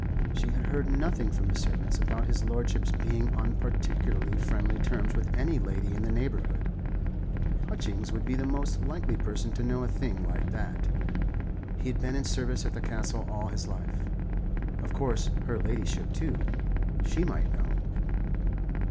She had heard nothing from the servants about his lordship's being on particularly friendly terms with any lady in the neighbourhood. Hutchings would be the most likely person to know a thing like that. He had been in service at the Castle all his life. Of course, her ladyship, too, she might know.